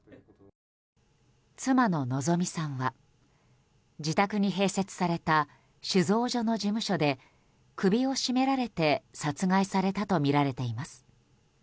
妻の希美さんは自宅に併設された酒造所の事務所で首を絞められて殺害されたとみられています。